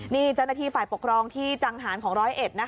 นี่เจ้าหน้าที่ฝ่ายปกครองที่จังหารของร้อยเอ็ดนะคะ